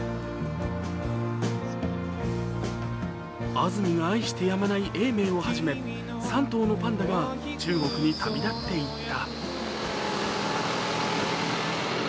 安住が愛してやまない永明をはじめ３頭のパンダが中国に旅立っていった。